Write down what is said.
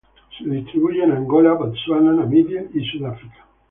Se distribuye en Angola, Botsuana, Namibia, y Sudáfrica.